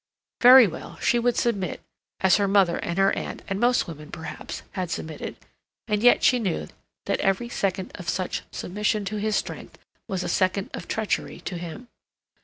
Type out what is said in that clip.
Very well; she would submit, as her mother and her aunt and most women, perhaps, had submitted; and yet she knew that every second of such submission to his strength was a second of treachery to him.